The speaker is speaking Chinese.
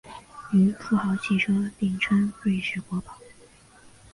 与富豪汽车并称瑞典国宝。